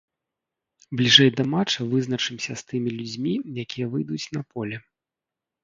Бліжэй да матча вызначымся з тымі людзьмі, якія выйдуць на поле.